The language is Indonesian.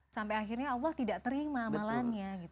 sampai akhirnya allah tidak terima amalannya